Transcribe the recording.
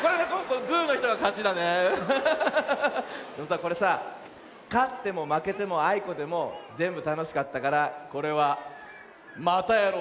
これさかってもまけてもあいこでもぜんぶたのしかったからこれは「またやろう！」